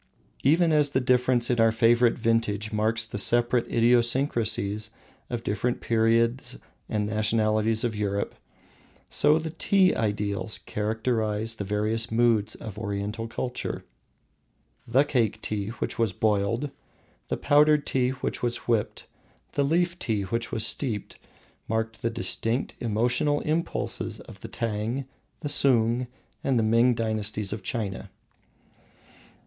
Even as the difference in favorite vintage marks the separate idiosyncrasies of different periods and nationalities of Europe, so the Tea ideals characterise the various moods of Oriental culture. The Cake tea which was boiled, the Powdered tea which was whipped, the Leaf tea which was steeped, mark the distinct emotional impulses of the Tang, the Sung, and the Ming dynasties of China.